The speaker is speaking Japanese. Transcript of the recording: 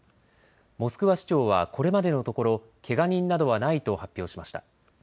モスクワ市長はこれまでのところ、けが人などはないと発表しました。